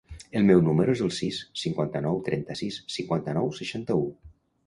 El meu número es el sis, cinquanta-nou, trenta-sis, cinquanta-nou, seixanta-u.